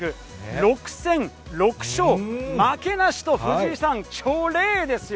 ６戦６勝、負けなしと、藤井さん、チョレイですよ。